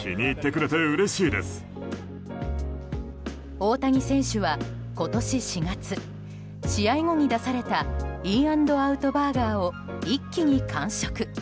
大谷選手は今年４月試合後に出されたインアンドアウト・バーガーを一気に完食。